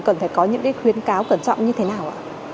cần phải có những khuyến cáo cẩn trọng như thế nào ạ